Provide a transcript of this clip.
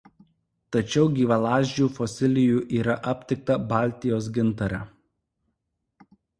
Tačiau gyvalazdžių fosilijų yra aptikta Baltijos gintare.